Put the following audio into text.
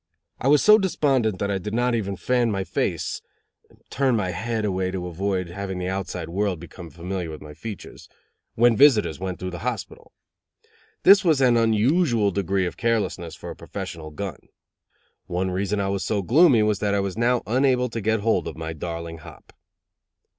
I was so despondent that I did not even "fan my face" (turn my head away to avoid having the outside world become familiar with my features) when visitors went through the hospital. This was an unusual degree of carelessness for a professional gun. One reason I was so gloomy was that I was now unable to get hold of my darling hop.